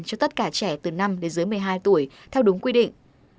cho tất cả trẻ từ năm đến dưới một mươi hai tuổi theo đúng quy định